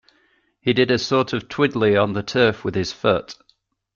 He did a sort of twiddly on the turf with his foot.